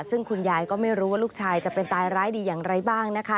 ซึ่งคุณยายก็ไม่รู้ว่าลูกชายจะเป็นตายร้ายดีอย่างไรบ้างนะคะ